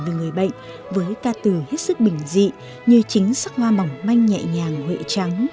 về người bệnh với ca từ hết sức bình dị như chính sắc hoa mỏng manh nhẹ nhàng huệ trắng